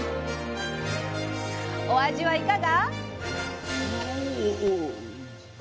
お味はいかが？